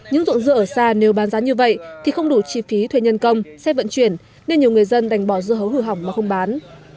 những ruộng dưa ở xa nếu bán giá như vậy thì không đủ chi phí thuê nhân công xe vận chuyển nên nhiều người dân đành bỏ dưa hấu hư hỏng mà không bán